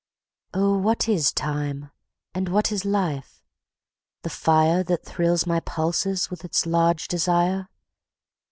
Oh, what is Time? and what is Life, the fireThat thrills my pulses with its large desire?